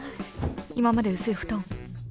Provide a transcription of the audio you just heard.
［今まで薄い布団］